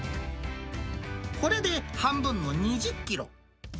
これで半分の２０キロ。